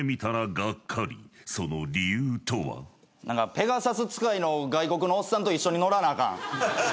ペガサス使いの外国のおっさんと一緒に乗らなあかん。